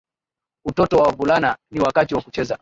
utoto kwa wavulana ni wakati wa kucheza